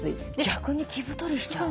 逆に着太りしちゃう。